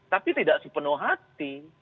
tapi tidak sepenuh hati